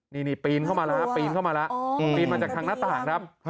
นี่ปีนเข้ามาแล้วปีนมาจากทางหน้าต่างครับ